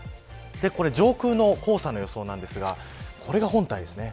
上空の黄砂の予想ですがこれが本体です。